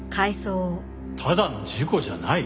ただの事故じゃない？